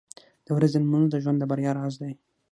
• د ورځې لمونځ د ژوند د بریا راز دی.